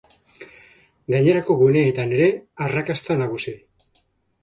Gainerako guneetan ere, arrakasta nagusi.